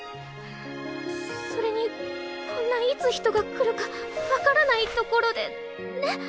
それにこんないつ人が来るか分からない所でねっ。